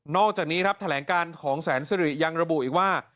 อกจากนี้ครับแถลงการของแสนสิริยังระบุอีกว่า